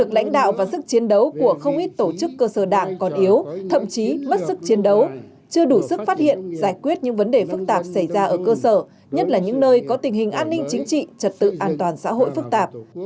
giải quyết tổ chức cơ sở đảng còn yếu thậm chí mất sức chiến đấu chưa đủ sức phát hiện giải quyết những vấn đề phức tạp xảy ra ở cơ sở nhất là những nơi có tình hình an ninh chính trị trật tự an toàn xã hội phức tạp